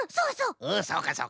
うんそうそう。